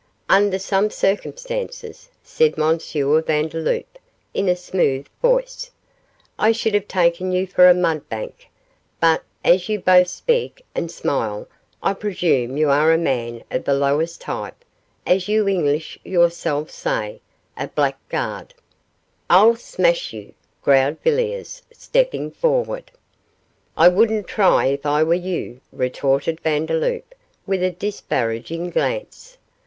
'Under some circumstances,' said M. Vandeloup, in a smooth voice, 'I should have taken you for a mud bank, but as you both speak and smile I presume you are a man of the lowest type; as you English yourselves say a blackguard.' 'I'll smash you!' growled Villiers, stepping forward. 'I wouldn't try if I were you,' retorted Vandeloup, with a disparaging glance.